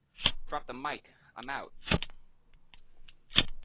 Drop the Mic, I'm out.